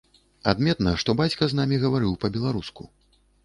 Адметна, што бацька з намі гаварыў па-беларуску.